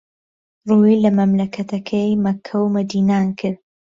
ڕووی له مەملهکهتهکهی مهککه و مەدینان دهکرد